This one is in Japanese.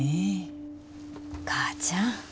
母ちゃん。